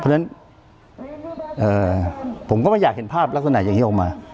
เพราะฉะนั้นผมก็ไม่อยากเห็นภาพลักษณะอย่างนี้ออกมา